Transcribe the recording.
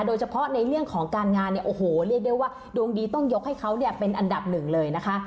โดยเฉพาะในเรื่องของการงานเนี่ยโอ้โหเรียกได้ว่าดวงดีต้องยกให้เขาเนี่ยเป็นอันดับหนึ่งเลยนะคะ